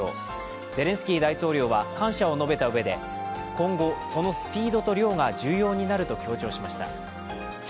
ゼレンスキー大統領は感謝を述べたうえで、今後、そのスピードと量が重要になると強調しました。